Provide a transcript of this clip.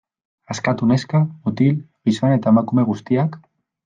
Askatu neska, mutil, gizon eta emakume guztiak?